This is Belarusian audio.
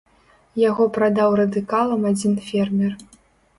Яго прадаў радыкалам адзін фермер.